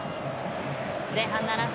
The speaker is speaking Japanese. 前半７分。